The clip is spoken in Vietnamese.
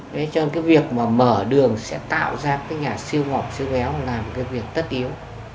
vậy cho nên việc mở đường sẽ tạo ra nhà siêu mỏng siêu béo làm việc tất yếu